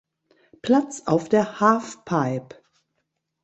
Platz auf der Halfpipe.